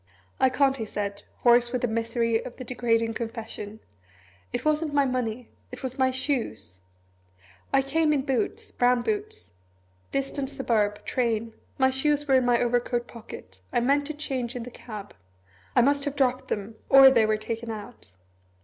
"I can't," he said, hoarse with the misery of the degrading confession; "it wasn't my money it was my shoes. I came up in boots, brown boots; distant suburb; train; my shoes were in my overcoat pocket I meant to change in the cab. I must have dropped them or they were taken out.